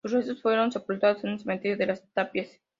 Sus restos fueron sepultados en el cementerio de Las Tapias.